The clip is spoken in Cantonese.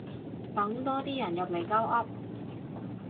等多啲人入嚟鳩噏